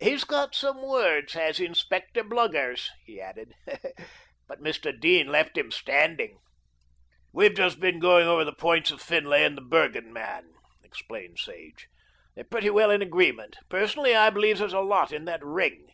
"He's got some words, has Inspector Bluggers," he added, "but Mr. Dene left him standing." "We've just been going over the points of Finlay and the Bergen man," explained Sage. "They're pretty well in agreement. Personally I believe there's a lot in that ring.